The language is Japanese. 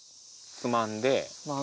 つまんで。